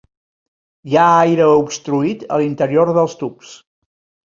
Hi ha aire obstruït a l'interior dels tubs.